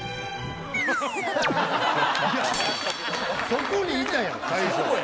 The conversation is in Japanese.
いやそこにいたやん最初。